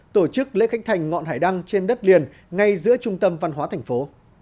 tổ chức lễ khánh thành ngọn hải đăng trên đất liền ngay giữa trung tâm văn hóa thành phố